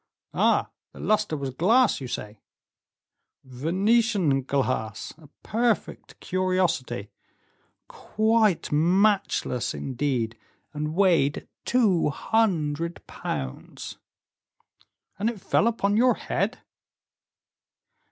"Ah! the luster was glass, you say." "Venetian glass! a perfect curiosity, quite matchless, indeed, and weighed two hundred pounds." "And it fell upon your head!"